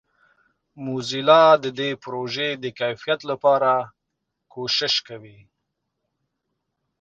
موزیلا د دې پروژې د کیفیت لپاره کوښښ کوي.